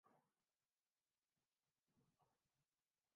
اس وقت کمپیوٹر کے سامنے بیٹھ کر ٹائپنگ کر رہا ہوں